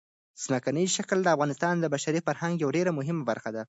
ځمکنی شکل د افغانستان د بشري فرهنګ یوه ډېره مهمه برخه ده.